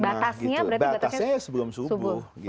batasnya berarti batasnya sebelum subuh